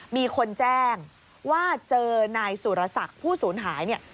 มีคนแจ้งว่าเจอนายสุรษักร์ผู้สูญหาย